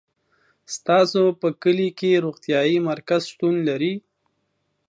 تاسو په کلي کي روغتيايي مرکز شتون لری